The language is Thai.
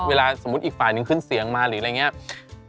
เวลาสมมุติอีกฝ่ายนึงขึ้นเสียงมาหรืออะไรอย่างนี้